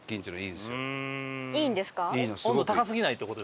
温度高すぎないって事？